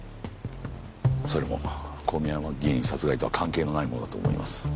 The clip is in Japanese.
それも小宮山議員殺害とは関係のないものだと思います。